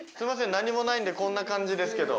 何にもないんでこんな感じですけど。